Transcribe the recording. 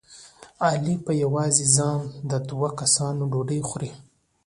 علي په یوازې ځان د دوه کسانو ډوډۍ خوري.